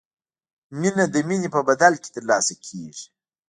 مینه د مینې په بدل کې ترلاسه کیږي.